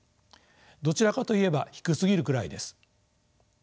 どちらかといえば低すぎるくらいです。